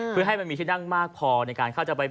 เพื่อให้มันมีที่นั่งมากพอในการเข้าจะไป